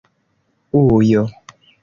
ujo